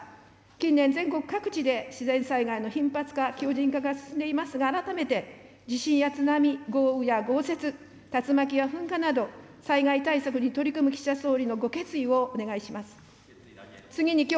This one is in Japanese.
近年、全国各地で自然災害の頻発化・化が進んでいますが、改めて、地震や津波、豪雨や豪雪、竜巻や噴火など、災害対策に取り組む岸田総理のご決意をお願いします。